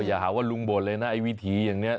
อย่าหาว่าลุงบ่นเลยนะไอ้วิถีอย่างนี้